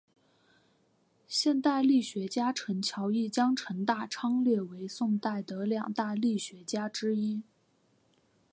现代郦学家陈桥驿将程大昌列为宋代的两大郦学家之一。